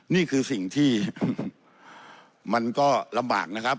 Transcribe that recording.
นี่คือสิ่งที่มันก็ลำบากนะครับ